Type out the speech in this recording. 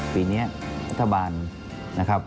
ปีนี้รัฐบาลนะครับ